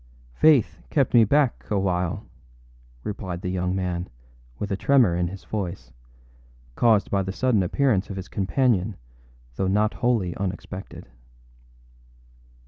â âFaith kept me back a while,â replied the young man, with a tremor in his voice, caused by the sudden appearance of his companion, though not wholly unexpected.